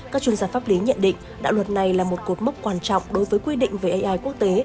các chuyên gia pháp lý nhận định đạo luật này là một cột mốc quan trọng đối với quy định về ai quốc tế